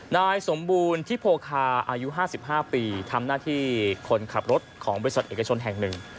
นายสมบูรณ์ทิโพคาอายุ๕๕ปีทำหน้าที่คนขับรถของบริษัทเอกชนแห่งหนึ่ง